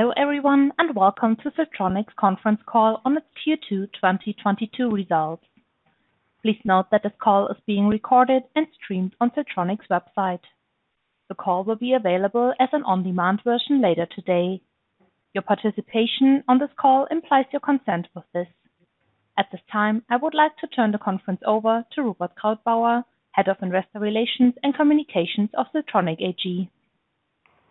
Hello everyone, and welcome to Siltronic's conference call on its Q2 2022 results. Please note that this call is being recorded and streamed on Siltronic's website. The call will be available as an on-demand version later today. Your participation on this call implies your consent for this. At this time, I would like to turn the conference over to Rupert Krautbauer, Head of Investor Relations and Communications of Siltronic AG.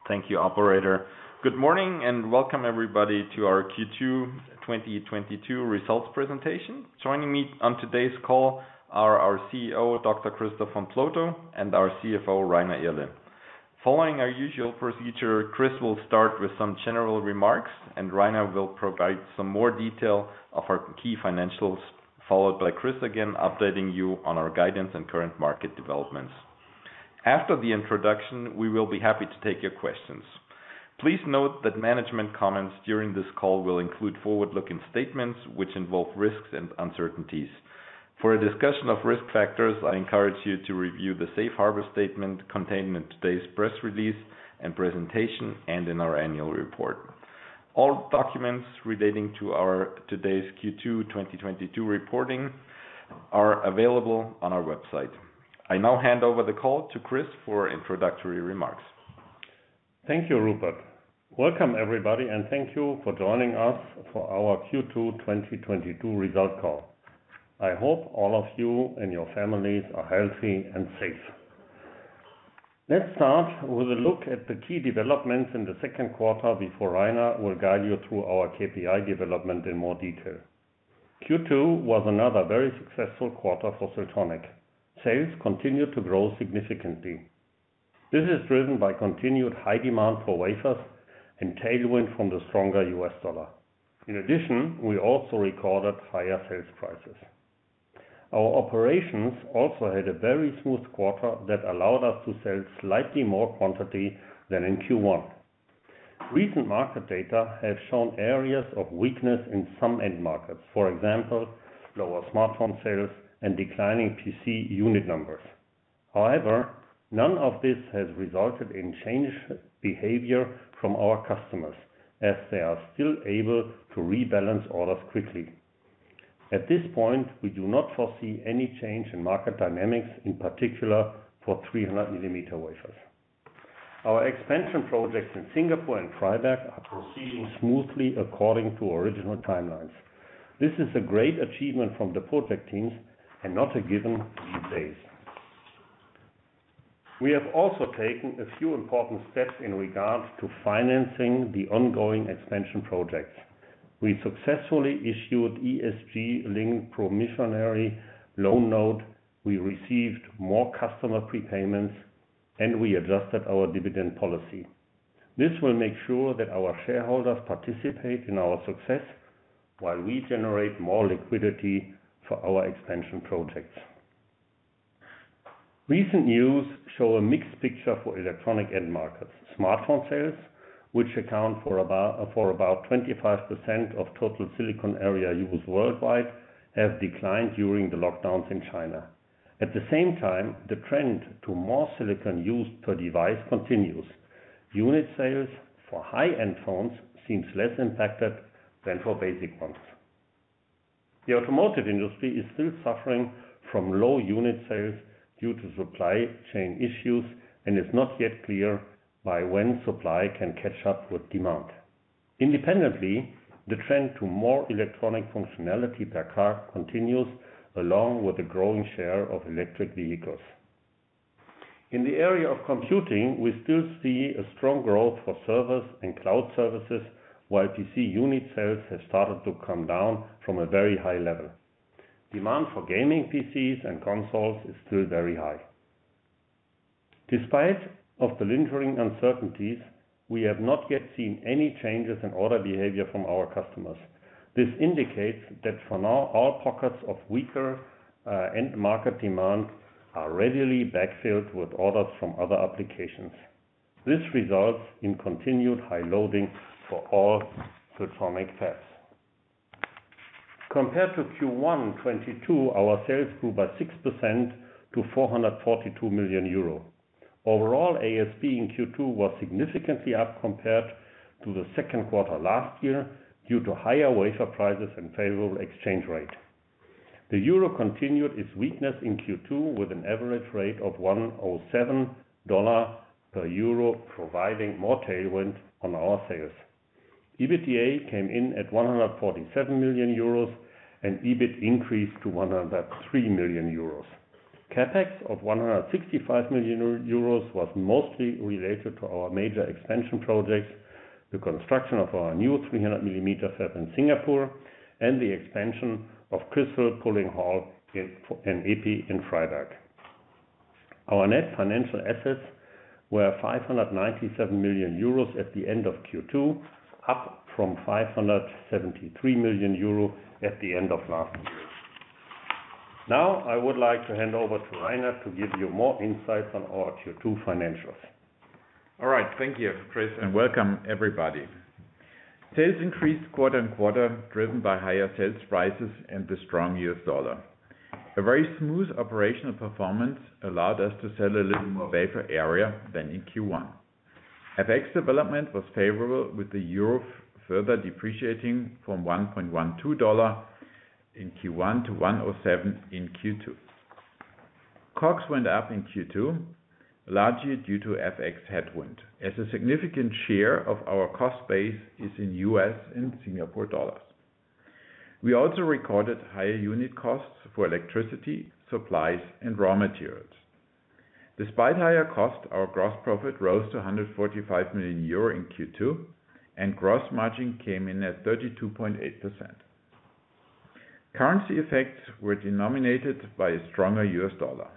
Thank you, operator. Good morning, and welcome everybody to our Q2 2022 results presentation. Joining me on today's call are our CEO, Dr. Christoph von Plotho, and our CFO, Rainer Irle. Following our usual procedure, Chris will start with some general remarks, and Rainer will provide some more detail of our key financials, followed by Chris again, updating you on our guidance and current market developments. After the introduction, we will be happy to take your questions. Please note that management comments during this call will include forward-looking statements which involve risks and uncertainties. For a discussion of risk factors, I encourage you to review the safe harbor statement contained in today's press release and presentation, and in our annual report. All documents relating to our today's Q2 2022 reporting are available on our website. I now hand over the call to Chris for introductory remarks. Thank you, Rupert. Welcome everybody, and thank you for joining us for our Q2 2022 results call. I hope all of you and your families are healthy and safe. Let's start with a look at the key developments in the second quarter before Rainer will guide you through our KPI development in more detail. Q2 was another very successful quarter for Siltronic. Sales continued to grow significantly. This is driven by continued high demand for wafers and tailwind from the stronger U.S. dollar. In addition, we also recorded higher sales prices. Our operations also had a very smooth quarter that allowed us to sell slightly more quantity than in Q1. Recent market data have shown areas of weakness in some end markets, for example, lower smartphone sales and declining PC unit numbers. However, none of this has resulted in changed behavior from our customers, as they are still able to rebalance orders quickly. At this point, we do not foresee any change in market dynamics, in particular for 300 mm wafers. Our expansion projects in Singapore and Freiberg are proceeding smoothly according to original timelines. This is a great achievement from the project teams and not a given these days. We have also taken a few important steps in regards to financing the ongoing expansion projects. We successfully issued ESG-linked promissory loan note. We received more customer prepayments, and we adjusted our dividend policy. This will make sure that our shareholders participate in our success while we generate more liquidity for our expansion projects. Recent news show a mixed picture for electronic end markets. Smartphone sales, which account for about 25% of total silicon area used worldwide, have declined during the lockdowns in China. At the same time, the trend to more silicon used per device continues. Unit sales for high-end phones seems less impacted than for basic ones. The automotive industry is still suffering from low unit sales due to supply chain issues, and it's not yet clear by when supply can catch up with demand. Independently, the trend to more electronic functionality per car continues, along with the growing share of electric vehicles. In the area of computing, we still see a strong growth for servers and cloud services, while PC unit sales have started to come down from a very high level. Demand for gaming PCs and consoles is still very high. Despite the lingering uncertainties, we have not yet seen any changes in order behavior from our customers. This indicates that for now, all pockets of weaker end market demand are readily backfilled with orders from other applications. This results in continued high loading for all Siltronic fabs. Compared to Q1 2022, our sales grew by 6% to 442 million euro. Overall, ASP in Q2 was significantly up compared to the second quarter last year due to higher wafer prices and favorable exchange rate. The euro continued its weakness in Q2 with an average rate of $1.07 per euro, providing more tailwind on our sales. EBITDA came in at 147 million euros, and EBIT increased to 103 million euros. CapEx of 165 million euros was mostly related to our major expansion projects, the construction of our new 300 mm fab in Singapore, and the expansion of crystal pulling hall and EPI in Freiberg. Our net financial assets were 597 million euros at the end of Q2, up from 573 million euros at the end of last year. Now I would like to hand over to Rainer to give you more insights on our Q2 financials. All right. Thank you, Chris, and welcome everybody. Sales increased quarter-over-quarter, driven by higher sales prices and the strong U.S. dollar. A very smooth operational performance allowed us to sell a little more wafer area than in Q1. FX development was favorable with the Euro further depreciating from $1.12 in Q1 to $1.07 in Q2. COGS went up in Q2, largely due to FX headwind, as a significant share of our cost base is in U.S. and Singapore dollars. We also recorded higher unit costs for electricity, supplies and raw materials. Despite higher costs, our gross profit rose to 145 million euro in Q2, and gross margin came in at 32.8%. Currency effects were driven by a stronger U.S. dollar.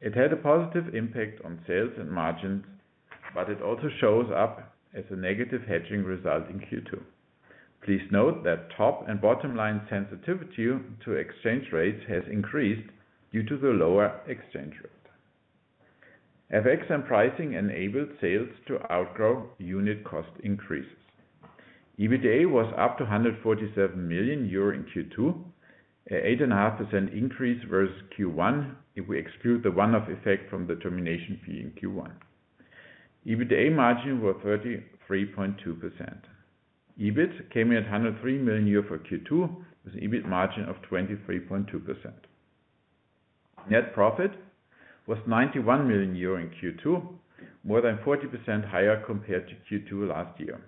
It had a positive impact on sales and margins, but it also shows up as a negative hedging result in Q2. Please note that top and bottom line sensitivity to exchange rates has increased due to the lower exchange rate. FX and pricing enabled sales to outgrow unit cost increases. EBITDA was up to 147 million euro in Q2, 8.5% increase versus Q1, if we exclude the one-off effect from the termination fee in Q1. EBITDA margin was 33.2%. EBIT came in at 103 million euro for Q2, with an EBIT margin of 23.2%. Net profit was 91 million euro in Q2, more than 40% higher compared to Q2 last year.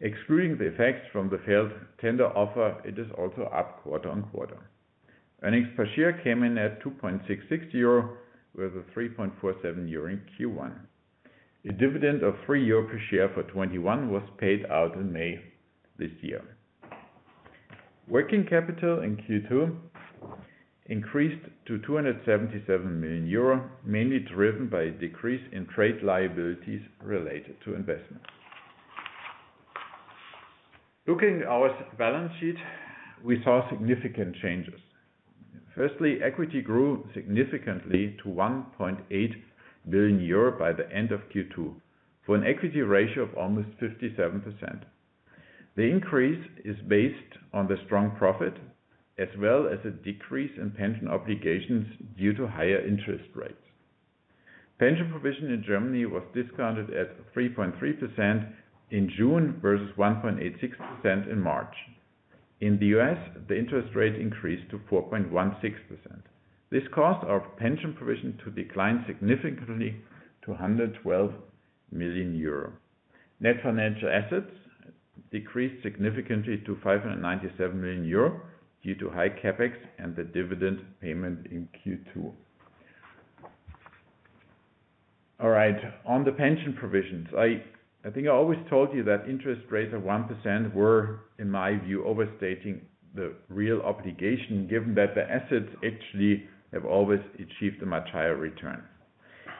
Excluding the effects from the failed tender offer, it is also up quarter-on-quarter. Earnings per share came in at 2.66 euro, with a 3.47 euro in Q1. A dividend of 3 euro per share for 2021 was paid out in May this year. Working capital in Q2 increased to 277 million euro, mainly driven by a decrease in trade liabilities related to investments. Looking at our balance sheet, we saw significant changes. Firstly, equity grew significantly to 1.8 billion euro by the end of Q2, for an equity ratio of almost 57%. The increase is based on the strong profit as well as a decrease in pension obligations due to higher interest rates. Pension provision in Germany was discounted at 3.3% in June versus 1.86% in March. In the U.S., the interest rate increased to 4.16%. This caused our pension provision to decline significantly to 112 million euro. Net financial assets decreased significantly to 597 million euro due to high CapEx and the dividend payment in Q2. All right, on the pension provisions, I think I always told you that interest rates of 1% were, in my view, overstating the real obligation, given that the assets actually have always achieved a much higher return.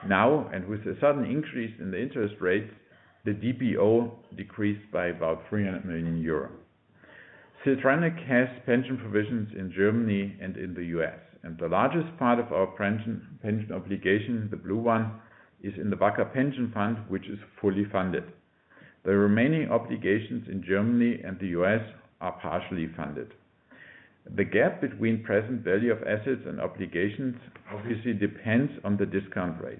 Now, with a sudden increase in the interest rates, the DBO decreased by about 300 million euro. Siltronic has pension provisions in Germany and in the U.S., and the largest part of our pension obligation, the blue one, is in the VVaG pension fund, which is fully funded. The remaining obligations in Germany and the U.S. are partially funded. The gap between present value of assets and obligations obviously depends on the discount rate.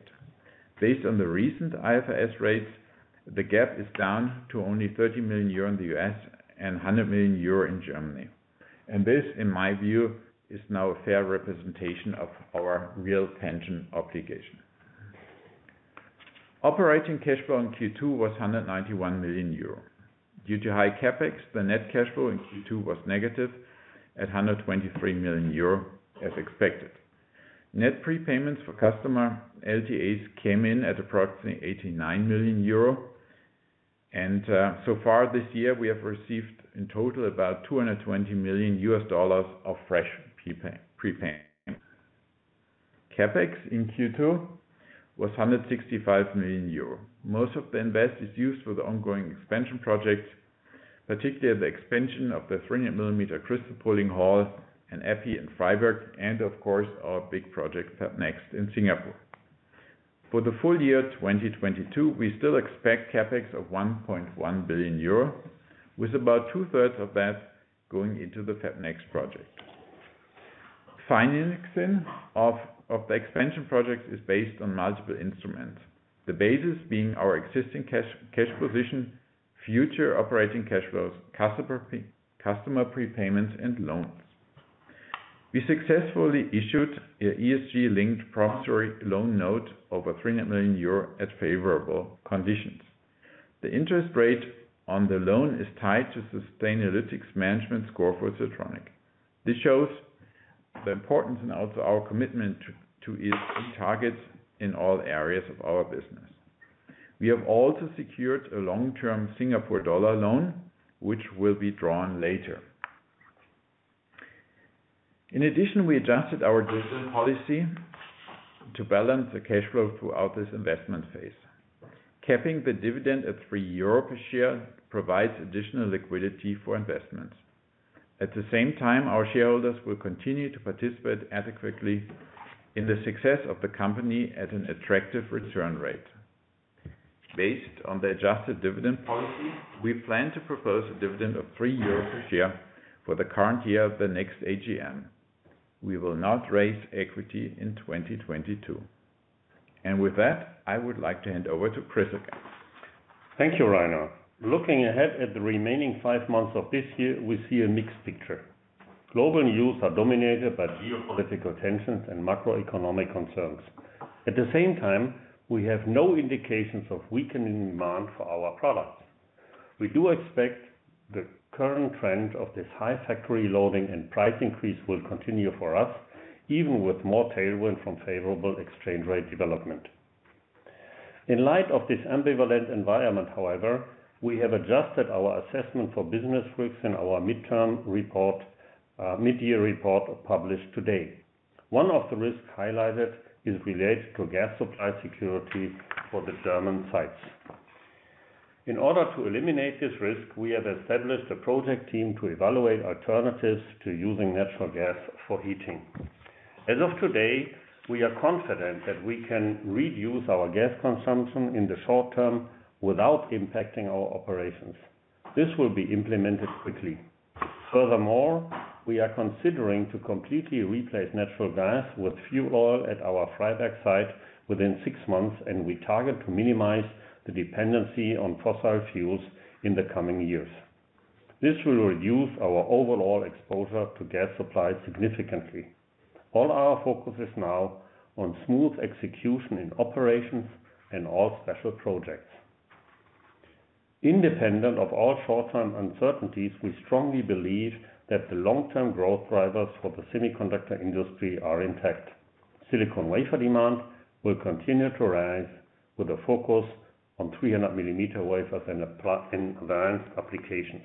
Based on the recent IFRS rates, the gap is down to only 30 million euro in the U.S. and 100 million euro in Germany. This, in my view, is now a fair representation of our real pension obligation. Operating cash flow in Q2 was 191 million euro. Due to high CapEx, the net cash flow in Q2 was negative at 123 million euro as expected. Net prepayments for customer LTAs came in at approximately 89 million euro. So far this year, we have received in total about $220 million of fresh prepayment. CapEx in Q2 was 165 million euro. Most of the investment is used for the ongoing expansion projects, particularly the expansion of the 300 mm crystal pulling hall in Freiberg, and of course, our big project FabNext in Singapore. For the full year 2022, we still expect CapEx of 1.1 billion euro, with about two-thirds of that going into the FabNext project. Financing of the expansion projects is based on multiple instruments. The basis being our existing cash position, future operating cash flows, customer prepayments and loans. We successfully issued an ESG-linked promissory loan note over 300 million euro at favorable conditions. The interest rate on the loan is tied to Sustainalytics management score for Siltronic. This shows the importance and also our commitment to ESG targets in all areas of our business. We have also secured a long-term Singapore dollar loan, which will be drawn later. In addition, we adjusted our dividend policy to balance the cash flow throughout this investment phase. Capping the dividend at 3 euro per share provides additional liquidity for investments. At the same time, our shareholders will continue to participate adequately in the success of the company at an attractive return rate. Based on the adjusted dividend policy, we plan to propose a dividend of 3 euro a share for the current year at the next AGM. We will not raise equity in 2022. With that, I would like to hand over to Chris again. Thank you, Rainer. Looking ahead at the remaining five months of this year, we see a mixed picture. Global news are dominated by geopolitical tensions and macroeconomic concerns. At the same time, we have no indications of weakening demand for our products. We do expect the current trend of this high factory loading and price increase will continue for us, even with more tailwind from favorable exchange rate development. In light of this ambivalent environment, however, we have adjusted our assessment for business risks in our midterm report, mid-year report published today. One of the risks highlighted is related to gas supply security for the German sites. In order to eliminate this risk, we have established a project team to evaluate alternatives to using natural gas for heating. As of today, we are confident that we can reduce our gas consumption in the short term without impacting our operations. This will be implemented quickly. Furthermore, we are considering to completely replace natural gas with fuel oil at our Freiberg site within six months, and we target to minimize the dependency on fossil fuels in the coming years. This will reduce our overall exposure to gas supply significantly. All our focus is now on smooth execution in operations and all special projects. Independent of all short-term uncertainties, we strongly believe that the long-term growth drivers for the semiconductor industry are intact. Silicon wafer demand will continue to rise with a focus on 300 mm wafers and advanced applications.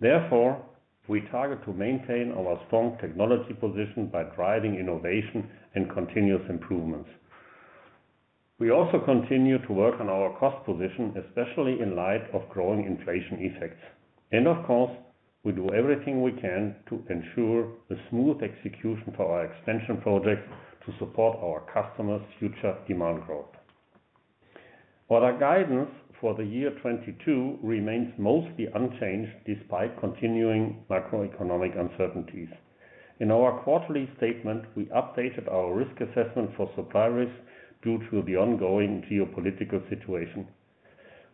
Therefore, we target to maintain our strong technology position by driving innovation and continuous improvements. We also continue to work on our cost position, especially in light of growing inflation effects. Of course, we do everything we can to ensure the smooth execution for our extension projects to support our customers' future demand growth. While our guidance for the year 2022 remains mostly unchanged despite continuing macroeconomic uncertainties. In our quarterly statement, we updated our risk assessment for supply risks due to the ongoing geopolitical situation.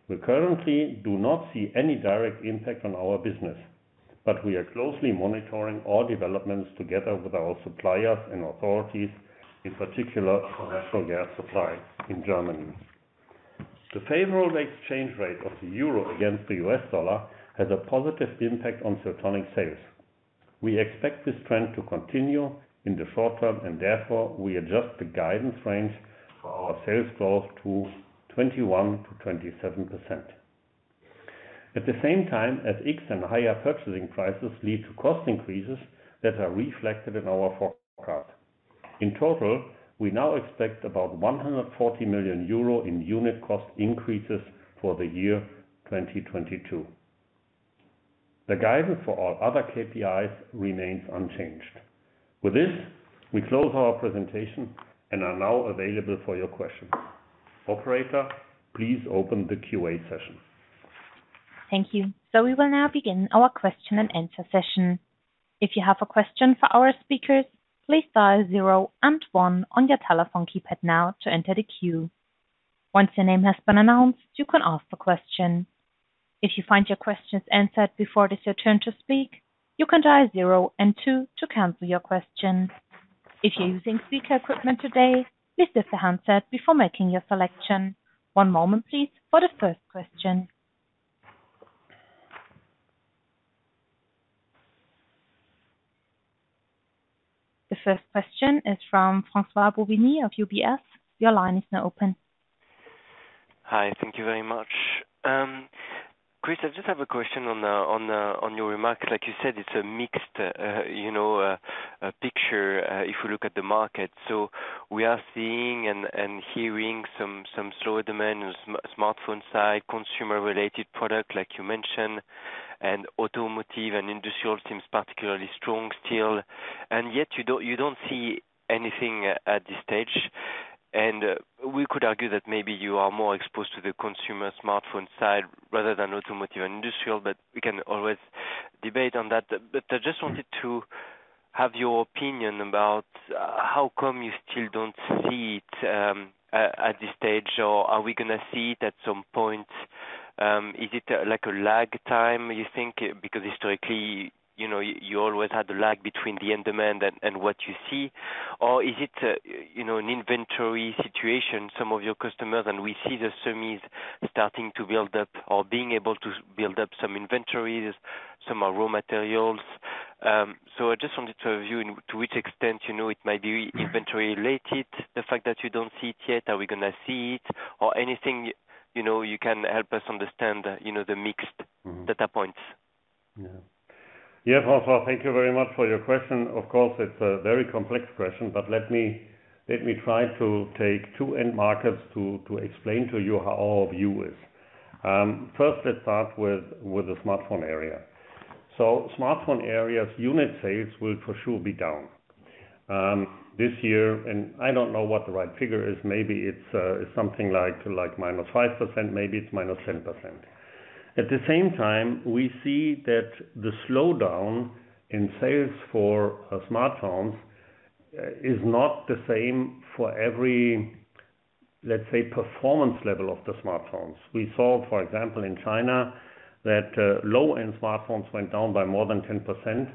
We currently do not see any direct impact on our business, but we are closely monitoring all developments together with our suppliers and authorities, in particular for natural gas supply in Germany. The favorable exchange rate of the euro against the U.S. dollar has a positive impact on silicon sales. We expect this trend to continue in the short term and therefore we adjust the guidance range for our sales growth to 21%-27%. At the same time as FX and higher purchasing prices lead to cost increases that are reflected in our forecast. In total, we now expect about 140 million euro in unit cost increases for the year 2022. The guidance for all other KPIs remains unchanged. With this, we close our presentation and are now available for your questions. Operator, please open the Q&A session. Thank you. We will now begin our question and answer session. If you have a question for our speakers, please dial zero and one on your telephone keypad now to enter the queue. Once your name has been announced, you can ask the question. If you find your questions answered before it is your turn to speak, you can dial zero and two to cancel your question. If you're using speaker equipment today, please lift the handset before making your selection. One moment, please, for the first question. The first question is from François-Xavier Bouvignies of UBS. Your line is now open. Hi. Thank you very much. Chris, I just have a question on your remarks. Like you said, it's a mixed, you know, picture if you look at the market. We are seeing and hearing some slower demand on smartphone side, consumer related product, like you mentioned, and automotive and industrial seems particularly strong still. Yet you don't see anything at this stage. We could argue that maybe you are more exposed to the consumer smartphone side rather than automotive and industrial, but we can always debate on that. I just wanted to have your opinion about how come you still don't see it at this stage, or are we going to see it at some point? Is it like a lag time, you think? Because historically, you know, you always had a lag between the end demand and what you see. Or is it, you know, an inventory situation, some of your customers, and we see the semis starting to build up or being able to build up some inventories, some are raw materials. So I just wanted to review to which extent, you know, it might be inventory related, the fact that you don't see it yet. Are we going to see it? Or anything, you know, you can help us understand, you know, the mixed data points. Yes, François, thank you very much for your question. Of course, it's a very complex question, but let me try to take two end markets to explain to you how our view is. First, let's start with the smartphone area. Smartphone area's unit sales will for sure be down this year, and I don't know what the right figure is, maybe it's something like -5%, maybe it's -10%. At the same time, we see that the slowdown in sales for smartphones is not the same for every performance level of the smartphones. We saw, for example, in China that low-end smartphones went down by more than 10%,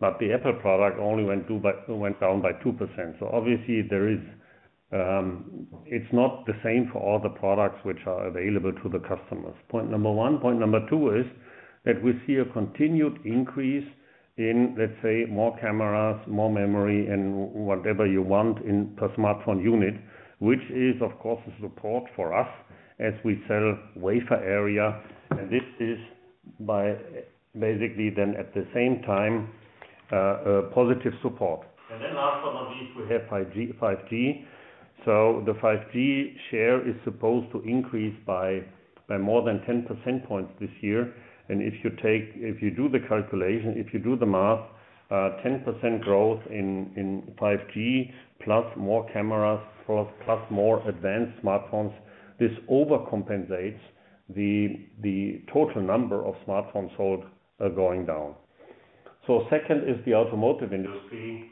but the Apple product only went down by 2%. Obviously there is, it's not the same for all the products which are available to the customers. Point number one. Point number two is that we see a continued increase in, let's say, more cameras, more memory and whatever you want in the smartphone unit, which is of course a support for us as we sell wafer area. This is by basically then at the same time, a positive support. Then last but not least, we have 5G. The 5G share is supposed to increase by more than 10 percentage points this year. If you do the calculation, if you do the math, 10% growth in 5G, plus more cameras, plus more advanced smartphones, this overcompensates the total number of smartphones sold going down. Second is the automotive industry.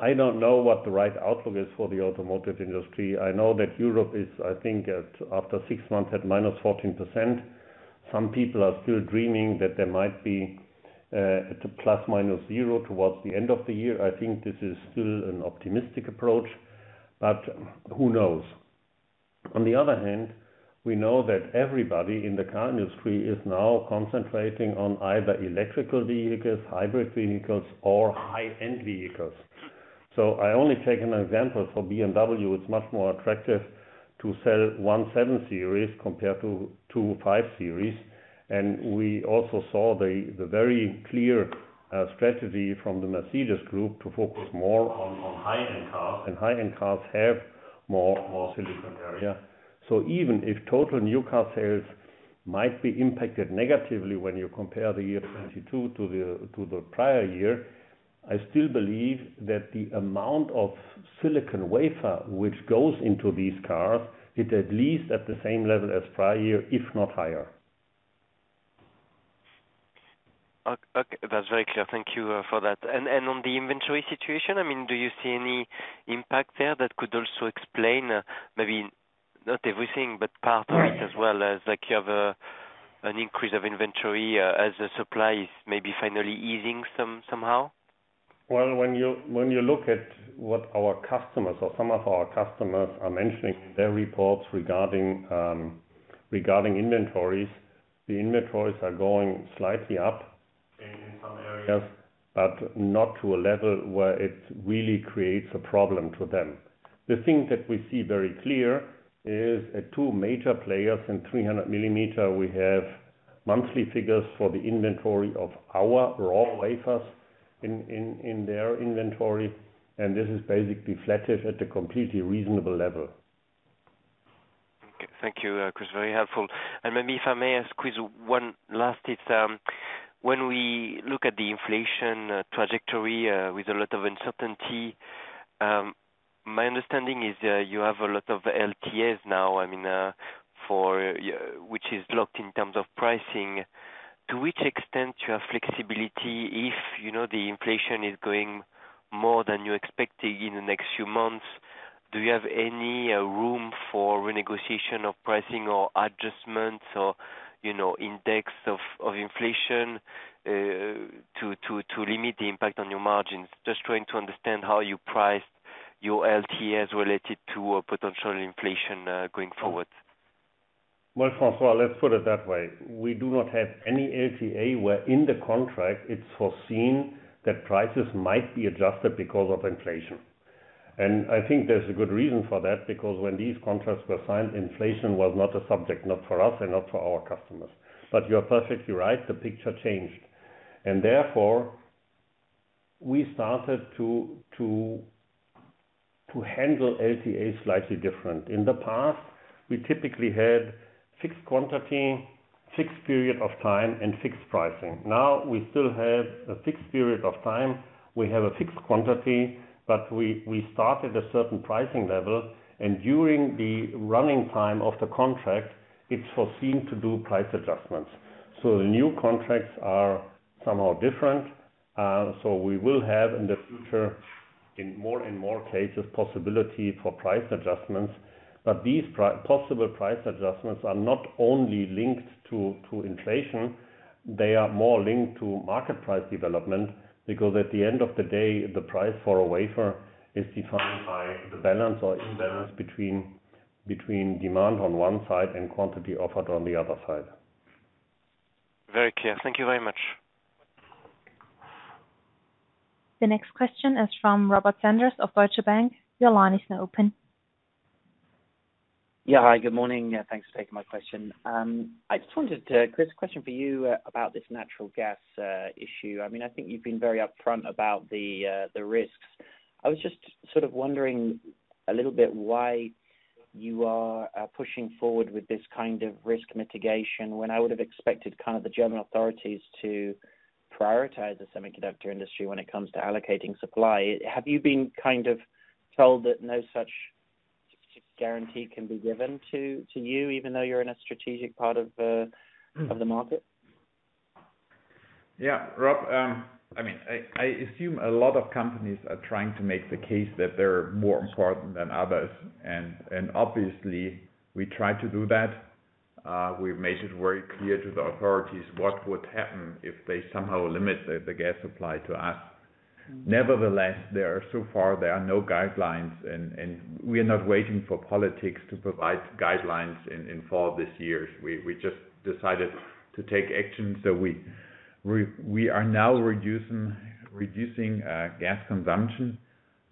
I don't know what the right outlook is for the automotive industry. I know that Europe is, I think, after six months at -14%. Some people are still dreaming that there might be at a ±0% towards the end of the year. I think this is still an optimistic approach, but who knows? On the other hand, we know that everybody in the car industry is now concentrating on either electric vehicles, hybrid vehicles, or high-end vehicles. I only take an example for BMW. It's much more attractive to sell one 7 Series compared to two 5 Series. We also saw the very clear strategy from the Mercedes-Benz Group to focus more on high-end cars. High-end cars have more silicon area. Even if total new car sales might be impacted negatively when you compare the year 2022 to the prior year, I still believe that the amount of silicon wafer which goes into these cars is at least at the same level as prior year, if not higher. Okay, that's very clear. Thank you for that. On the inventory situation, I mean, do you see any impact there that could also explain maybe not everything but part of it as well as like you have an increase of inventory as the supply is maybe finally easing somehow? Well, when you look at what our customers or some of our customers are mentioning in their reports regarding inventories, the inventories are going slightly up in some areas, but not to a level where it really creates a problem to them. The thing that we see very clear is at two major players in 300 mm, we have monthly figures for the inventory of our raw wafers in their inventory, and this is basically flattened at a completely reasonable level. Okay. Thank you, Chris. Very helpful. Maybe if I may ask Chris one last. It's when we look at the inflation trajectory with a lot of uncertainty, my understanding is you have a lot of LTAs now, I mean, for which is locked in terms of pricing. To which extent you have flexibility if you know the inflation is going more than you expected in the next few months? Do you have any room for renegotiation of pricing or adjustments or, you know, index of inflation to limit the impact on your margins? Just trying to understand how you priced your LTAs related to a potential inflation going forward. Well, François, let's put it that way. We do not have any LTA where in the contract it's foreseen that prices might be adjusted because of inflation. I think there's a good reason for that, because when these contracts were signed, inflation was not a subject, not for us and not for our customers. You're perfectly right, the picture changed. Therefore, we started to handle LTA slightly different. In the past, we typically had fixed quantity, fixed period of time and fixed pricing. Now, we still have a fixed period of time. We have a fixed quantity, but we start at a certain pricing level, and during the running time of the contract, it's foreseen to do price adjustments. The new contracts are somehow different. We will have in the future, in more and more cases, possibility for price adjustments. These possible price adjustments are not only linked to inflation, they are more linked to market price development, because at the end of the day, the price for a wafer is defined by the balance or imbalance between demand on one side and quantity offered on the other side. Very clear. Thank you very much. The next question is from Robert Sanders of Deutsche Bank. Your line is now open. Yeah. Hi, good morning. Thanks for taking my question. Chris, question for you about this natural gas issue. I mean, I think you've been very upfront about the risks. I was just sort of wondering a little bit why you are pushing forward with this kind of risk mitigation when I would have expected kind of the German authorities to prioritize the semiconductor industry when it comes to allocating supply. Have you been kind of told that no such guarantee can be given to you, even though you're in a strategic part of the market? Yeah. Rob, I mean, I assume a lot of companies are trying to make the case that they're more important than others, and obviously we try to do that. We've made it very clear to the authorities what would happen if they somehow limit the gas supply to us. Nevertheless, there are so far no guidelines and we are not waiting for politics to provide guidelines in fall this year. We are now reducing gas consumption.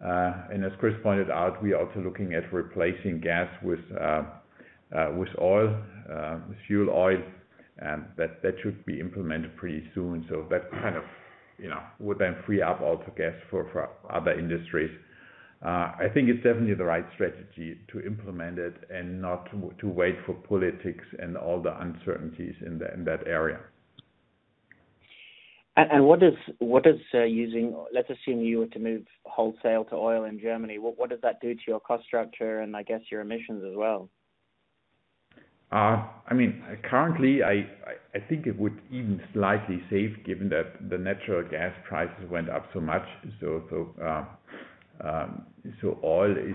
As Chris pointed out, we are also looking at replacing gas with fuel oil. That should be implemented pretty soon. That kind of, you know, would then free up also gas for other industries. I think it's definitely the right strategy to implement it and not to wait for politics and all the uncertainties in that area. Let's assume you were to move wholesale to oil in Germany. What does that do to your cost structure and I guess your emissions as well? I mean, currently I think it would even slightly save, given that the natural gas prices went up so much. Oil is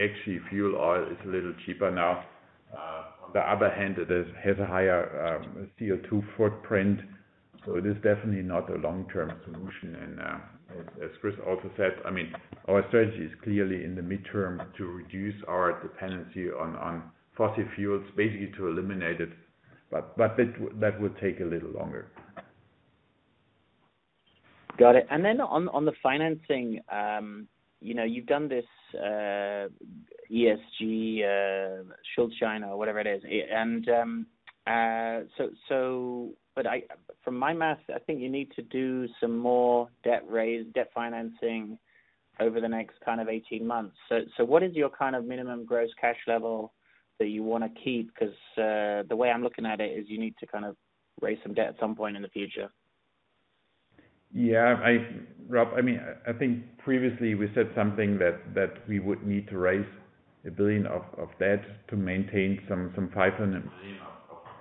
actually fuel oil is a little cheaper now. On the other hand, it has a higher CO2 footprint, so it is definitely not a long-term solution. As Chris also said, I mean, our strategy is clearly in the midterm to reduce our dependency on fossil fuels, basically to eliminate it, but that would take a little longer. Got it. Then on the financing, you know, you've done this ESG Schuldschein or whatever it is. From my math, I think you need to do some more debt raise, debt financing over the next kind of 18 months. What is your kind of minimum gross cash level that you wanna keep? 'Cause the way I'm looking at it is you need to kind of raise some debt at some point in the future. Yeah. Robert, I mean, I think previously we said something that we would need to raise 1 billion of debt to maintain some 500 million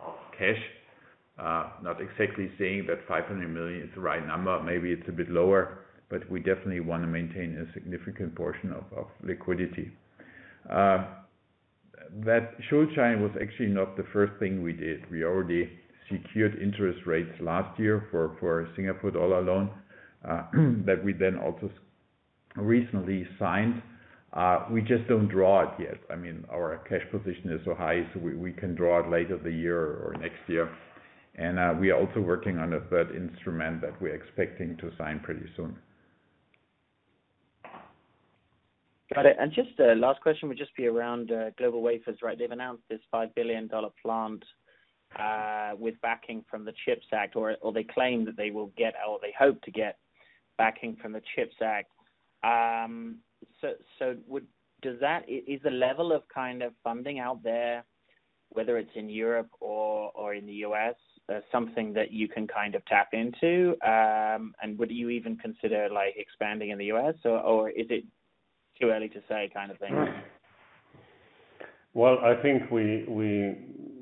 of cash. Not exactly saying that 500 million is the right number. Maybe it's a bit lower, but we definitely wanna maintain a significant portion of liquidity. That Schuldschein was actually not the first thing we did. We already secured interest rates last year for Singapore dollar loan that we then also recently signed. We just don't draw it yet. I mean, our cash position is so high, so we can draw it later this year or next year. We are also working on a third instrument that we're expecting to sign pretty soon. Got it. Just a last question would just be around GlobalWafers, right? They've announced this $5 billion plant with backing from the CHIPS Act, or they claim that they will get or they hope to get backing from the CHIPS Act. Is the level of kind of funding out there, whether it's in Europe or in the US, something that you can kind of tap into? Would you even consider like expanding in the US or is it too early to say kind of thing? Well, I think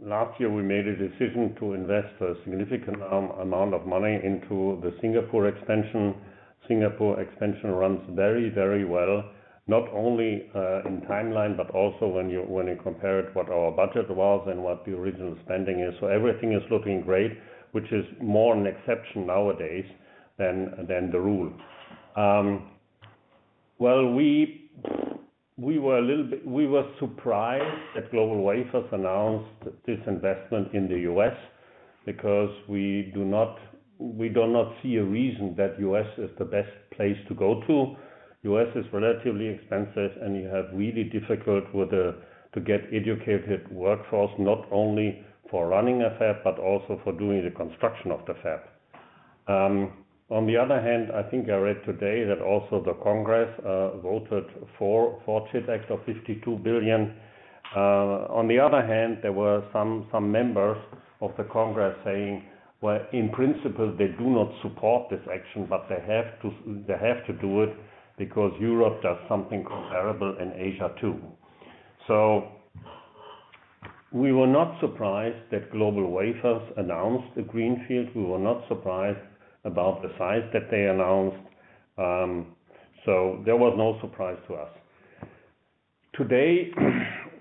last year we made a decision to invest a significant amount of money into the Singapore expansion. The Singapore expansion runs very, very well, not only in timeline, but also when you compare it to what our budget was and what the original spending is. Everything is looking great, which is more an exception nowadays than the rule. Well, we were surprised that GlobalWafers announced this investment in the U.S. because we do not see a reason that the U.S. is the best place to go to. The U.S. is relatively expensive, and it's really difficult to get an educated workforce, not only for running a fab, but also for doing the construction of the fab. On the other hand, I think I read today that also the Congress voted for the CHIPS Act of $52 billion. On the other hand, there were some members of the Congress saying, well, in principle, they do not support this action, but they have to do it because Europe does something comparable and Asia too. We were not surprised that GlobalWafers announced a greenfield. We were not surprised about the size that they announced. There was no surprise to us. Today,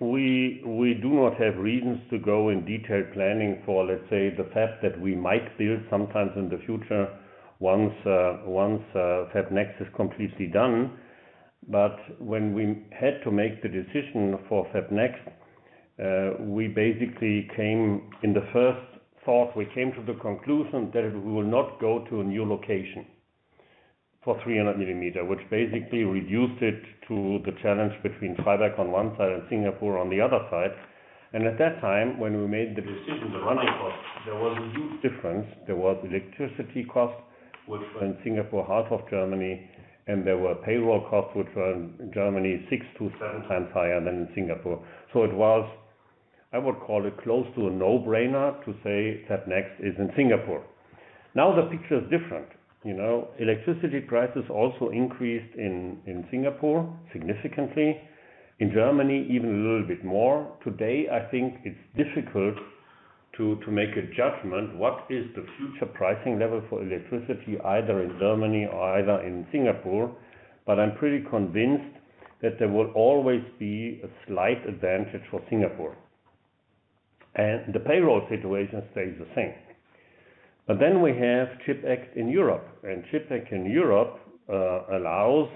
we do not have reasons to go in detailed planning for, let's say, the fab that we might build sometimes in the future once FabNext is completely done. When we had to make the decision for FabNext, in the first thought, we came to the conclusion that we will not go to a new location for 300 mm, which basically reduced it to the challenge between Freiberg on one side and Singapore on the other side. At that time when we made the decision, the running cost, there was a huge difference. There was electricity cost, which were in Singapore, half of Germany, and there were payroll costs, which were in Germany 6x-7x higher than in Singapore. It was, I would call it close to a no-brainer to say that next is in Singapore. Now the picture is different. You know, electricity prices also increased in Singapore significantly. In Germany, even a little bit more. Today, I think it's difficult to make a judgment what is the future pricing level for electricity, either in Germany or either in Singapore. I'm pretty convinced that there will always be a slight advantage for Singapore. The payroll situation stays the same. We have European Chips Act, which allows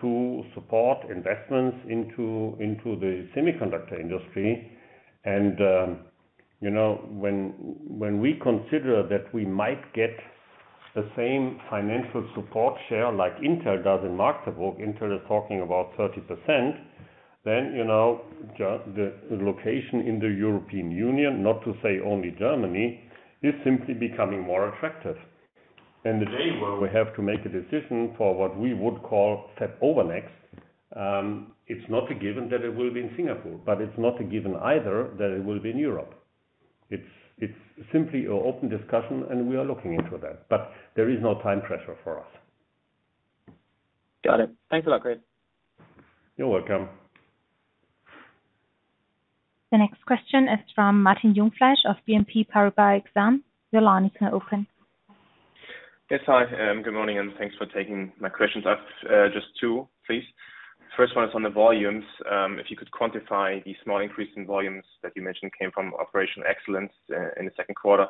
to support investments into the semiconductor industry. You know, when we consider that we might get the same financial support share like Intel does in Magdeburg, Intel is talking about 30%, then you know the location in the European Union, not to say only Germany, is simply becoming more attractive. The day where we have to make a decision for what we would call step over next, it's not a given that it will be in Singapore, but it's not a given either that it will be in Europe. It's simply an open discussion, and we are looking into that, but there is no time pressure for us. Got it. Thanks a lot, Chris. You're welcome. The next question is from Martin Jungfleisch of BNP Paribas Exane. Your line is now open. Yes. Hi, good morning, and thanks for taking my questions. I have just two please. First one is on the volumes. If you could quantify the small increase in volumes that you mentioned came from operational excellence in the second quarter,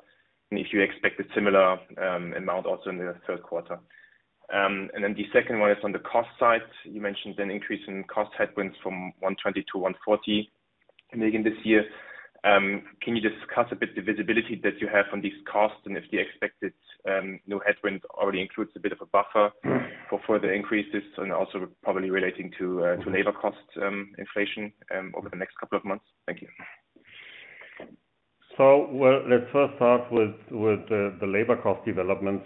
and if you expect a similar amount also in the third quarter? The second one is on the cost side. You mentioned an increase in cost headwinds from 120 million-140 million this year. Can you discuss a bit the visibility that you have on these costs and if the expected new headwinds already includes a bit of a buffer for further increases and also probably relating to labor cost inflation over the next couple of months? Thank you. Well, let's first start with the labor cost development.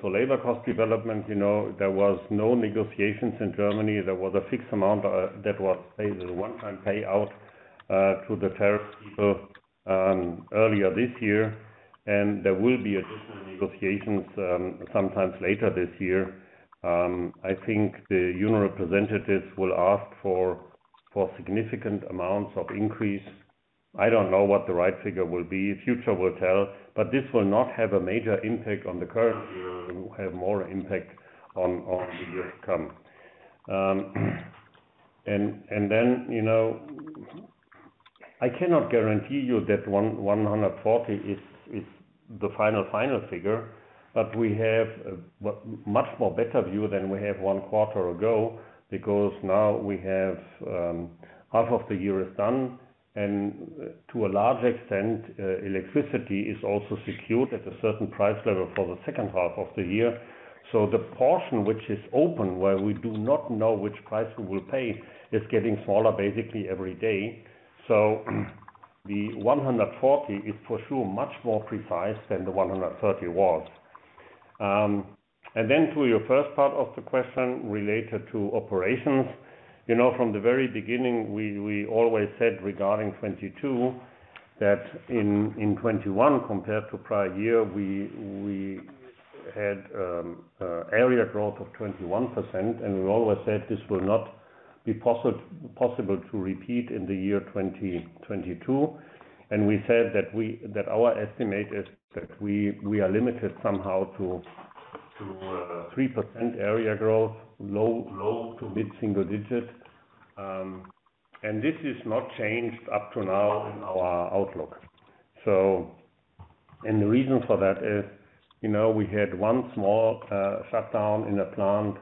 You know, there was no negotiations in Germany. There was a fixed amount that was paid as a one-time payout to the tariff people earlier this year. There will be additional negotiations sometime later this year. I think the union representatives will ask for significant amounts of increase. I don't know what the right figure will be. Future will tell, but this will not have a major impact on the current year. It will have more impact on the years to come. You know, I cannot guarantee you that 140 is the final figure, but we have a much more better view than we have one quarter ago because now we have half of the year is done, and to a large extent electricity is also secured at a certain price level for the second half of the year. The portion which is open, where we do not know which price we will pay, is getting smaller basically every day. The 140 is for sure much more precise than the 130 was. To your first part of the question related to operations. You know, from the very beginning, we always said regarding 2022, that in 2021 compared to prior year, we had area growth of 21%. We always said this will not be possible to repeat in the year 2022. We said that our estimate is that we are limited somehow to 3% area growth, low to mid-single digit. This is not changed up to now in our outlook. The reason for that is, you know, we had one small shutdown in the plant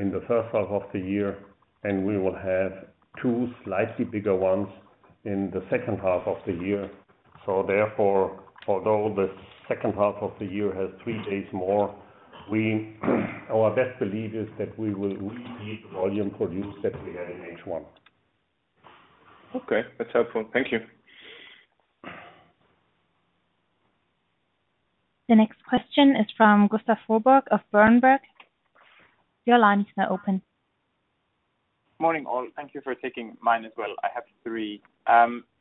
in the first half of the year, and we will have two slightly bigger ones in the second half of the year. Although the second half of the year has three days more, we, our best belief is that we will repeat the volume produced that we had in H1. Okay. That's helpful. Thank you. The next question is from Gustav Froberg of Berenberg. Your line is now open. Morning, all. Thank you for taking mine as well. I have three.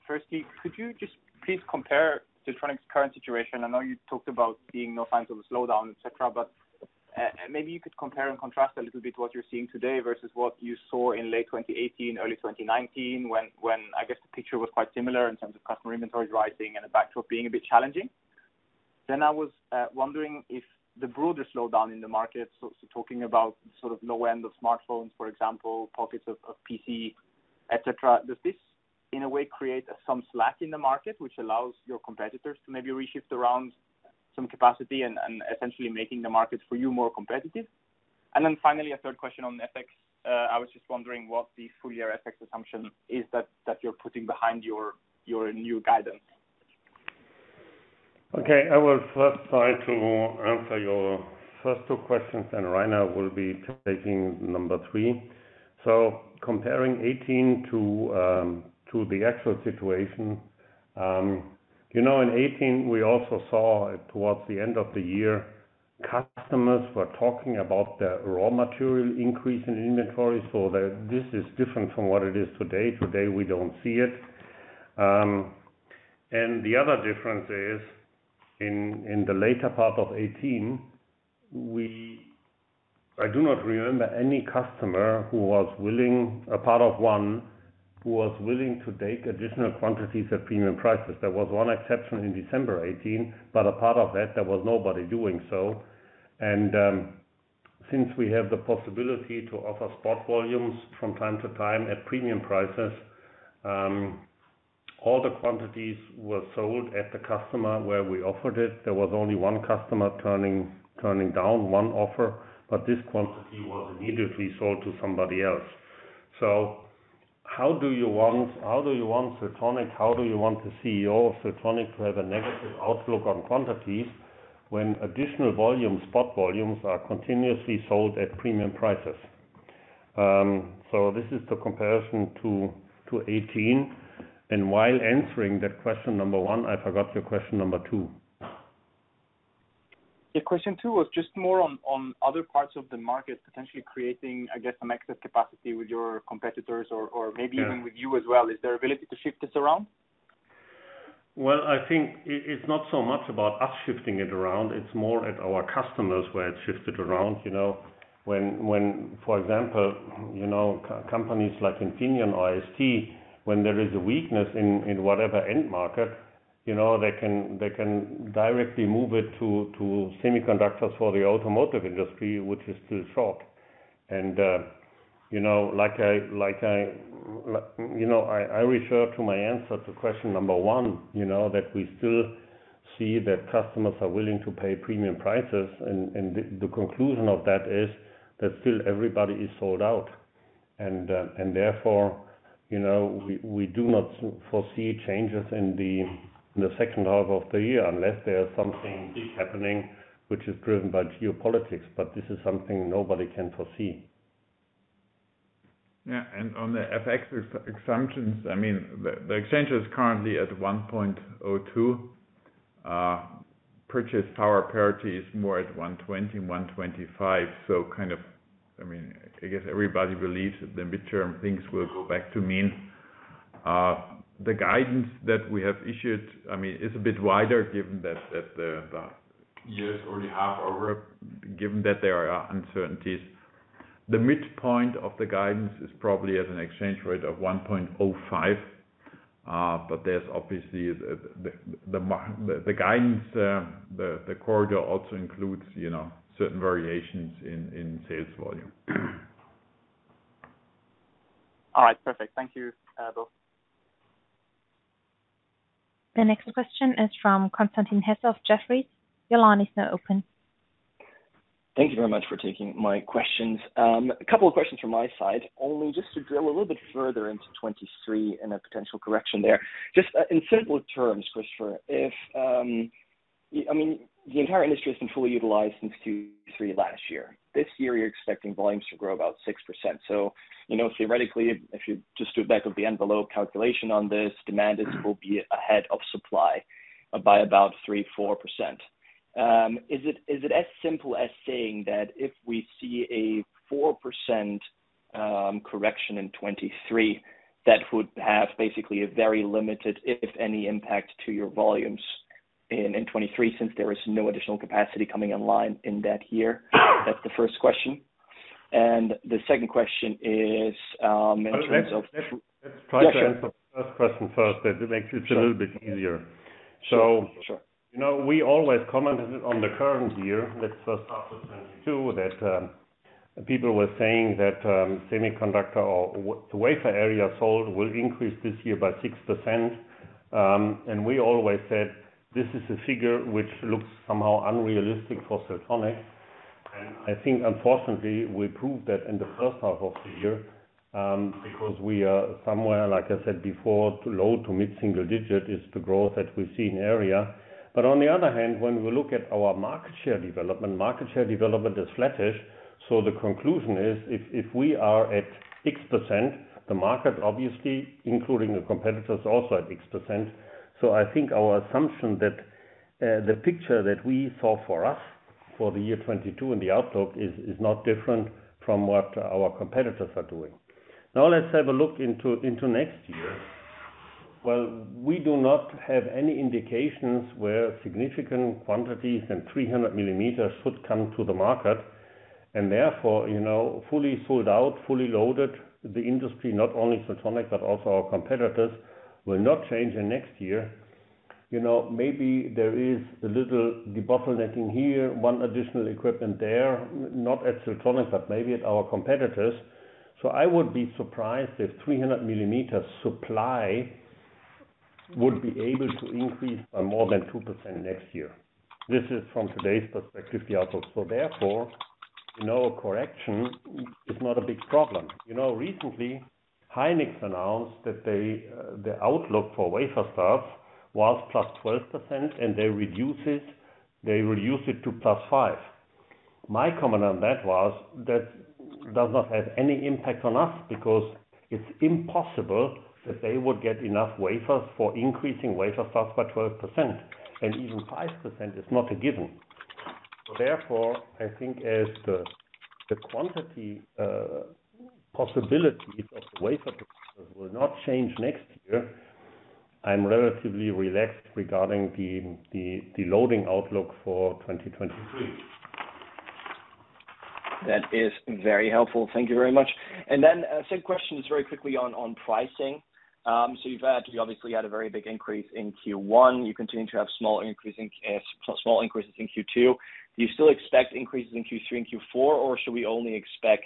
Firstly, could you just please compare Siltronic current situation? I know you talked about seeing no signs of a slowdown, et cetera, but maybe you could compare and contrast a little bit what you're seeing today versus what you saw in late 2018, early 2019 when I guess the picture was quite similar in terms of customer inventories rising and the backdrop being a bit challenging. I was wondering if the broader slowdown in the market, so talking about sort of low end of smartphones, for example, pockets of PC, et cetera. Does this, in a way, create some slack in the market which allows your competitors to maybe reshift around some capacity and essentially making the markets for you more competitive? And then finally, a third question on FX. I was just wondering what the full year FX assumption is that you're putting behind your new guidance? Okay. I will first try to answer your first two questions, and Rainer will be taking number 3. Comparing 2018 to the actual situation, you know, in 2018 we also saw towards the end of the year, customers were talking about the raw material increase in inventory. This is different from what it is today. Today we don't see it. The other difference is in the later part of 2018, I do not remember any customer who was willing, apart from one, to take additional quantities at premium prices. There was one exception in December 2018, but apart from that there was nobody doing so. Since we have the possibility to offer spot volumes from time to time at premium prices, all the quantities were sold at the customer where we offered it. There was only one customer turning down one offer, but this quantity was immediately sold to somebody else. How do you want Siltronic? How do you want the CEO of Siltronic to have a negative outlook on quantities when additional volume, spot volumes are continuously sold at premium prices? This is the comparison to 2018. While answering that question number one, I forgot your question number two. Yeah. Question 2 was just more on other parts of the market potentially creating, I guess, some excess capacity with your competitors or maybe even with you as well. Is there ability to shift this around? I think it's not so much about us shifting it around. It's more at our customers where it's shifted around. You know, when, for example, you know, companies like Infineon or ST, when there is a weakness in whatever end market, you know, they can directly move it to semiconductors for the automotive industry, which is still short. You know, I refer to my answer to question number one, you know, that we still see that customers are willing to pay premium prices. The conclusion of that is that still everybody is sold out. Therefore, you know, we do not foresee changes in the second half of the year unless there's something big happening which is driven by geopolitics. This is something nobody can foresee. Yeah. On the FX assumptions, I mean, the exchange is currently at 1.02. Purchasing Power Parity is more at 1.20, 1.25. So kind of, I mean, I guess everybody believes that the medium-term things will go back to mean. The guidance that we have issued, I mean, is a bit wider given that the year's already half over, given that there are uncertainties. The midpoint of the guidance is probably at an exchange rate of 1.05. But there's obviously the guidance. The corridor also includes, you know, certain variations in sales volume. All right. Perfect. Thank you, both. The next question is from Constantin Hesse of Jefferies. Your line is now open. Thank you very much for taking my questions. A couple of questions from my side, only just to drill a little bit further into 2023 and a potential correction there. Just in simple terms, Chris, if, I mean, the entire industry has been fully utilized since Q3 last year. This year you're expecting volumes to grow about 6%. You know, theoretically, if you just do a back of the envelope calculation on this, demand will be ahead of supply by about 3%-4%. Is it as simple as saying that if we see a 4% correction in 2023, that would have basically a very limited, if any, impact to your volumes in 2023, since there is no additional capacity coming online in that year? That's the first question. The second question is, in terms of... Let's try to answer the first question first. It makes it a little bit easier. Sure. You know, we always commented on the current year. Let's first start with 2022, people were saying that semiconductor or the wafer area sold will increase this year by 6%. We always said this is a figure which looks somehow unrealistic for Siltronic. I think unfortunately we proved that in the first half of the year, because we are somewhere, like I said before, low- to mid-single-digit% is the growth that we see in area. On the other hand, when we look at our market share development, market share development is flattish. The conclusion is if we are at 6%, the market obviously including the competitors, also at 6%. I think our assumption that the picture that we saw for us for the year 2022 and the outlook is not different from what our competitors are doing. Now let's have a look into next year. Well, we do not have any indications where significant quantities and 300 millimeters would come to the market and therefore, you know, fully sold out, fully loaded, the industry, not only Siltronic, but also our competitors, will not change in next year. You know, maybe there is a little debottlenecking here, one additional equipment there, not at Siltronic, but maybe at our competitors. I would be surprised if 300 millimeters supply would be able to increase by more than 2% next year. This is from today's perspective, the outlook. Therefore, you know, a correction is not a big problem. You know, recently, Hynix announced that they, the outlook for wafer starts was +12% and they reduced it to +5%. My comment on that was that does not have any impact on us because it's impossible that they would get enough wafers for increasing wafer starts by 12%, and even 5% is not a given. Therefore, I think as the quantity, possibility of the wafer will not change next year, I'm relatively relaxed regarding the loading outlook for 2023. That is very helpful. Thank you very much. Then a second question, just very quickly on pricing. So you've obviously had a very big increase in Q1. You continue to have small increases in Q2. Do you still expect increases in Q3 and Q4, or should we only expect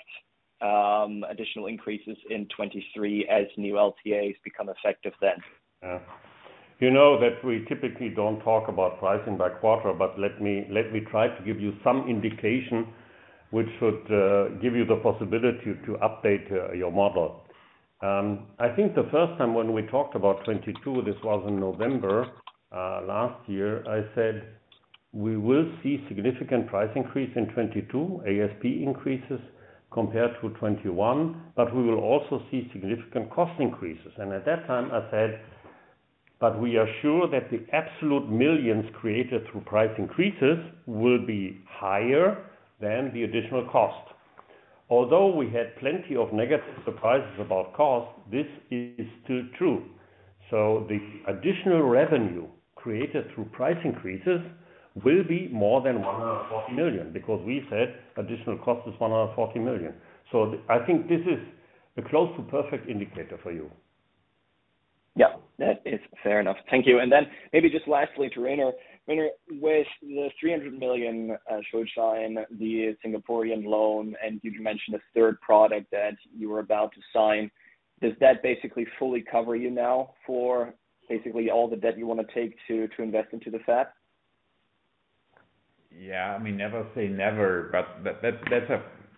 additional increases in 2023 as new LTAs become effective then? You know that we typically don't talk about pricing by quarter, but let me try to give you some indication which should give you the possibility to update your model. I think the first time when we talked about 2022, this was in November last year, I said, we will see significant price increase in 2022, ASP increases compared to 2021, but we will also see significant cost increases. At that time, I said, but we are sure that the absolute millions created through price increases will be higher than the additional cost. Although we had plenty of negative surprises about cost, this is still true. The additional revenue created through price increases will be more than 140 million, because we said additional cost is 140 million. I think this is a close to perfect indicator for you. Yeah, that is fair enough. Thank you. Maybe just lastly to Rainer. Rainer, with the 300 million Schuldschein, the Singaporean loan, and you mentioned a third product that you were about to sign. Does that basically fully cover you now for basically all the debt you want to take to invest into the fab? Yeah. I mean, never say never, but that's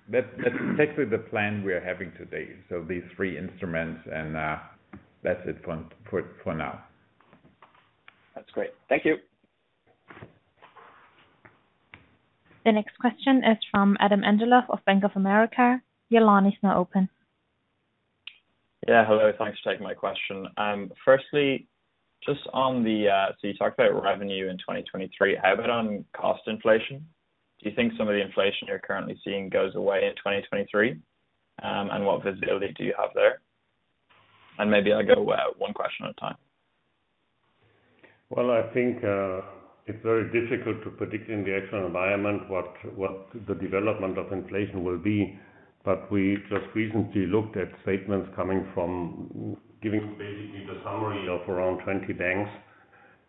basically the plan we are having today. These three instruments and, that's it for now. That's great. Thank you. The next question is from Adam Angelov of Bank of America. Your line is now open. Yeah, hello. Thanks for taking my question. Firstly, just on the, so you talked about revenue in 2023. How about on cost inflation? Do you think some of the inflation you're currently seeing goes away in 2023? What visibility do you have there? Maybe I'll go one question at a time. Well, I think it's very difficult to predict in the external environment what the development of inflation will be. We just recently looked at statements coming from giving basically the summary of around 20 banks.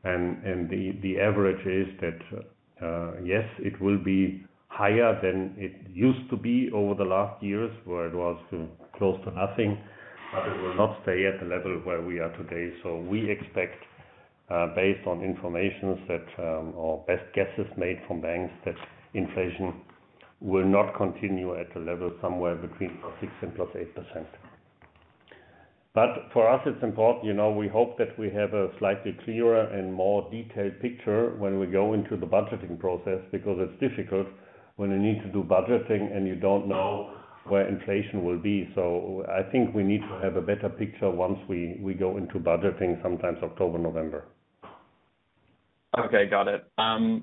The average is that, yes, it will be higher than it used to be over the last years where it was close to nothing, but it will not stay at the level where we are today. We expect, based on information that or best guesses made from banks, that inflation will not continue at a level somewhere between +6% and +8%. For us, it's important, you know, we hope that we have a slightly clearer and more detailed picture when we go into the budgeting process, because it's difficult when you need to do budgeting and you don't know where inflation will be. I think we need to have a better picture once we go into budgeting sometime October, November. Okay, got it. On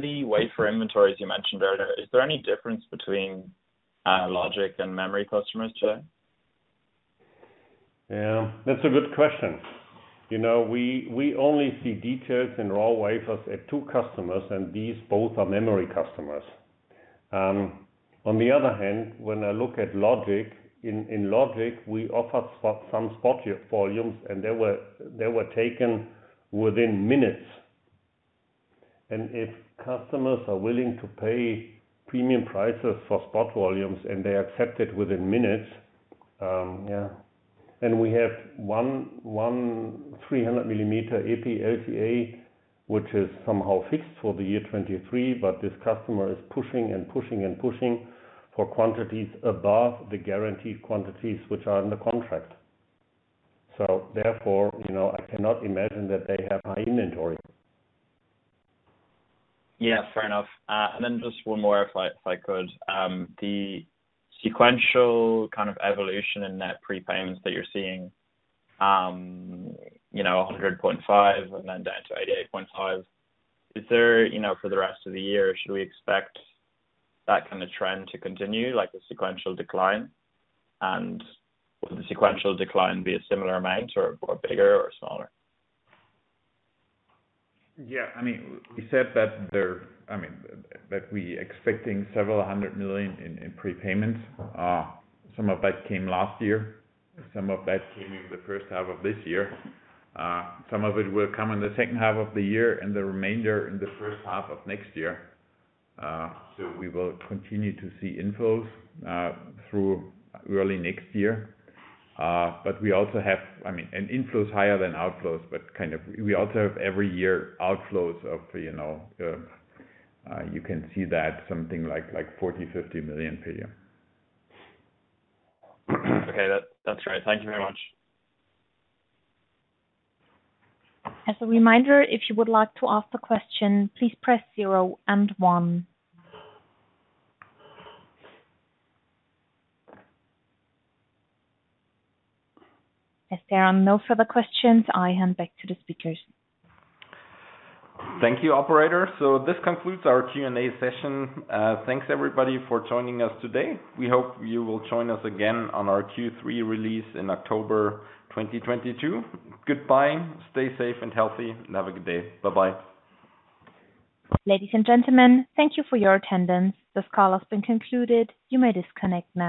the wafer inventories you mentioned earlier, is there any difference between logic and memory customers today? Yeah, that's a good question. You know, we only see details in raw wafers at two customers, and these both are memory customers. On the other hand, when I look at logic, in logic, we offer some spot volumes, and they were taken within minutes. If customers are willing to pay premium prices for spot volumes and they accept it within minutes, yeah. We have one 300 mm EPI LTA, which is somehow fixed for the year 2023, but this customer is pushing and pushing and pushing for quantities above the guaranteed quantities which are in the contract. Therefore, you know, I cannot imagine that they have high inventory. Yeah, fair enough. Just one more, if I could. The sequential kind of evolution in net prepayments that you're seeing, you know, 100.5 million and then down to 88.5 million, is there, you know, for the rest of the year, should we expect that kind of trend to continue, like the sequential decline? Will the sequential decline be a similar amount or bigger or smaller? Yeah. I mean, we said that we were expecting several hundred million EUR in prepayments. Some of that came last year, some of that came in the first half of this year. Some of it will come in the second half of the year and the remainder in the first half of next year. We will continue to see inflows through early next year. We also have inflows higher than outflows, but we also have every year outflows of, you know, you can see that something like 40million-50 million per year. Okay. That's great. Thank you very much. As a reminder, if you would like to ask a question, please press zero and one. If there are no further questions, I hand back to the speakers. Thank you, operator. This concludes our Q&A session. Thanks everybody for joining us today. We hope you will join us again on our Q3 release in October 2022. Goodbye. Stay safe and healthy. Have a good day. Bye-bye. Ladies and gentlemen, thank you for your attendance. This call has been concluded. You may disconnect now.